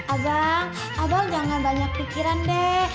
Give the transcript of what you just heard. abang abang jangan banyak pikiran deh